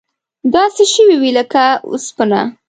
داسې شوي وې لکه وسپنه.